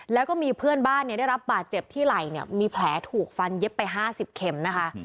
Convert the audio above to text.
แล้วก็มีเพื่อนบ้านได้รับบาดเจ็บที่ไหล่เนี่ยมีแผลถูกฟันเย็บไป๕๐เข็มนะคะ